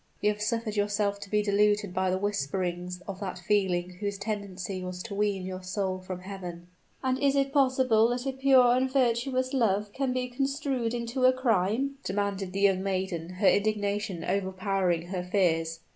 "You have suffered yourself to be deluded by the whisperings of that feeling whose tendency was to wean your soul from Heaven." "And is it possible that a pure and virtuous love can be construed into a crime?" demanded the young maiden, her indignation overpowering her fears.